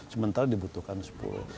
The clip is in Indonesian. sementara dibutuhkan sepuluh